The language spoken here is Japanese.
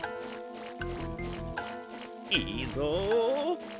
いいぞ。